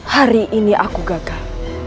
hari ini aku gagal